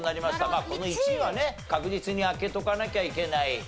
まあこの１位はね確実に開けとかなきゃいけない。